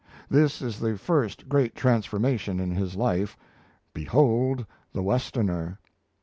This is the first great transformation in his life behold the Westerner!